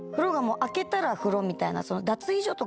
開けたら風呂みたいな。